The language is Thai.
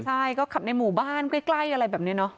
ใช่ก็ขับในหมู่บ้านใกล้อะไรแบบนี้เนาะ